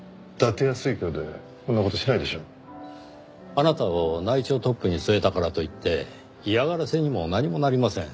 あなたを内調トップに据えたからといって嫌がらせにも何もなりません。